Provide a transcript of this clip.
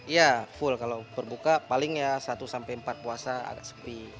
ya full kalau berbuka paling ya satu sampai empat puasa agak sepi